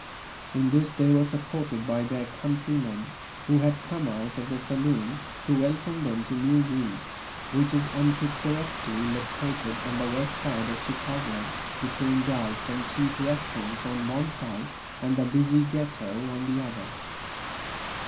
In this they were supported by their countrymen who had come out of the saloon to welcome them to New Greece, which is unpicturesquely located on the West side of Chicago, between dives and cheap restaurants on one side, and the busy Ghetto on the other.